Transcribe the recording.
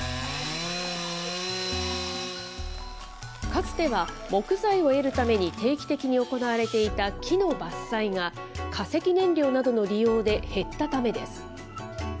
かつては木材を得るために、定期的に行われていた木の伐採が、化石燃料などの利用で減ったためです。